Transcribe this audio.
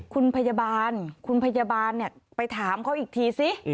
คุณพยาบาลคุณพยาบาลไปถามเขาอีกทีซิ